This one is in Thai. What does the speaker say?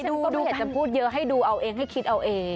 ดูอยากจะพูดเยอะให้ดูเอาเองให้คิดเอาเอง